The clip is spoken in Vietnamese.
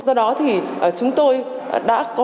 do đó chúng tôi đã có